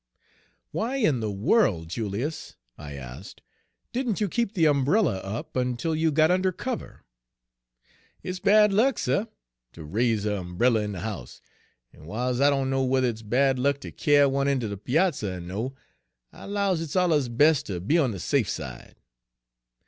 Page 165 "Why in the world, Julius," I asked, "didn't you keep the umbrella up until you got under cover?" "It's bad luck, suh, ter raise a' umbrella in de house, en w'iles I dunno whuther it's bad luck ter kyar one inter de piazzer er no, I 'lows it's alluz bes' ter be on de safe side.